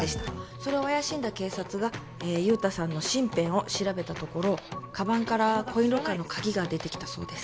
それを怪しんだ警察が雄太さんの身辺を調べたところカバンからコインロッカーの鍵が出てきたそうです